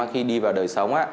khi đi vào đời sống